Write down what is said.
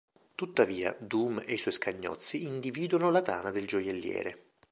Tuttavia, Doom e i suoi scagnozzi individuano la tana del gioielliere.